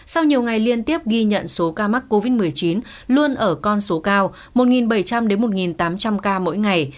sau nhiều ngày liên tiếp ghi nhận số ca mắc covid một mươi chín luôn ở con số cao một bảy trăm linh một tám trăm linh ca mỗi ngày